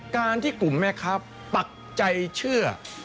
การที่กลุ่มแม่ค้าปักใจเชื่อ